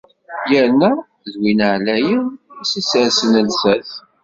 Yerna d win εlayen i s-issersen llsas.